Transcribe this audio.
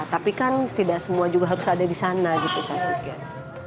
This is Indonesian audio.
tapi kan tidak semua juga harus ada di sana gitu saya pikir